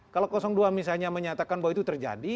kalau dua misalnya menyatakan bahwa itu terjadi